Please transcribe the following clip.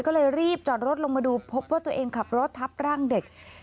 ก็เลยรีบจอดรถลงมาดูพบว่าตัวเองขับรถทับร่างเด็ก